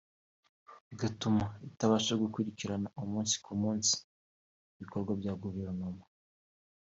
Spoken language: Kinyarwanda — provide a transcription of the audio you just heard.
bigatuma itabasha gukurikirana umunsi ku munsi ibikorwa bya guverinoma